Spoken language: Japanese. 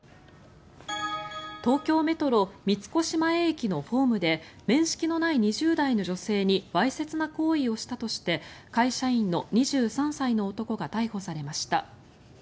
東京メトロ三越前駅のホームで面識のない２０代の女性にわいせつな行為をしたとして会社員の２３歳の男が逮捕されました。